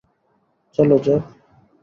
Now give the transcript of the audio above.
চলো, জ্যাক।